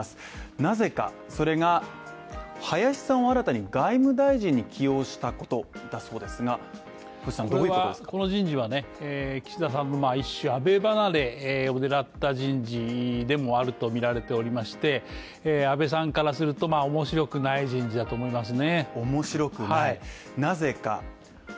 なぜかそれが林さんを新たに外務大臣に起用したことだそうですがこの人事はね、岸田さんも一瞬安倍離れを狙った人事でもあるとみられておりまして、安倍さんからすると面白くない人事だと思いますね。